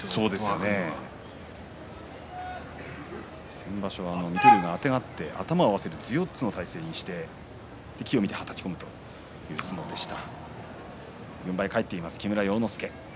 先場所、水戸龍があてがって頭を合わせる頭四つの体勢にして機を見てはたき込むという相撲でした。